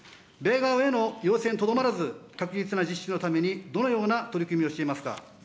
米側への要請にとどまらず、確実な実施のためにどのような取り組みをしていますか。